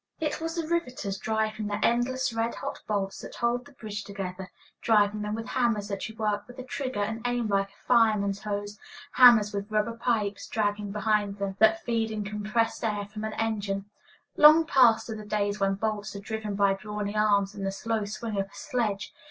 "] It was the riveters driving the endless red hot bolts that hold the bridge together, driving them with hammers that you work with a trigger, and aim like a fireman's hose, hammers with rubber pipes dragging behind that feed in compressed air from an engine. Long past are the days when bolts were driven by brawny arms and the slow swing of a sledge.